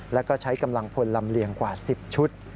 แล้วก็ใช้กำลังพลลำเลียงกว่า๑๐ชุด